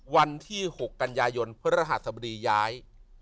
วันที่๖กันยายนพระรหัสบดีย้าย